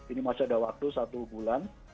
ini masih ada waktu satu bulan